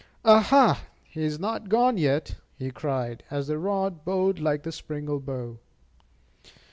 "Aha, he is not gone yet!" he cried, as the rod bowed like a springle bow.